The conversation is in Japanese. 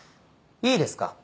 いいですか？